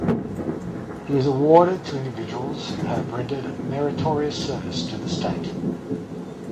It is awarded to individuals who have rendered meritorious service to the State.